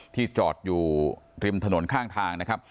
จอดอยู่ริมถนนข้างทางนะครับ